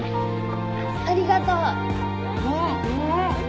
ありがとう。